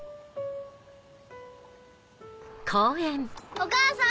お母さん！